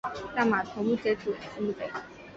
但马从不接触溪木贼。